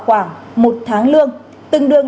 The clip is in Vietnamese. khoảng một tháng lương tương đương